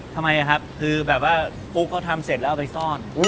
ทำไมครับคือแบบว่าปุ๊กเขาทำเสร็จแล้วเอาไปซ่อน